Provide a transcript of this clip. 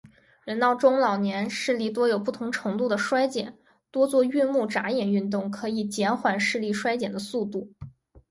人到中老年，视力多有不同程度地衰减，多做运目眨眼运动可以减缓视力衰减的速度。